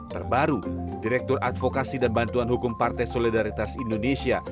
terbaru direktur advokasi dan bantuan hukum partai solidaritas indonesia